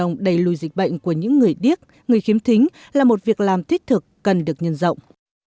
cộng đầy lùi dịch bệnh của những người điếc người khiếm thính là một việc làm thiết thực cần được nhân rộng